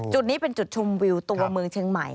จุดนี้เป็นจุดชมวิวตัวเมืองเชียงใหม่